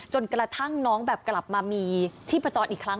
จนกระทั่งน้องกลับมามีชีพประจอดอีกครั้ง